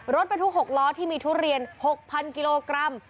รถบรรทุก๖ล้อที่มีทุเรียน๖๐๐กิโลกรัม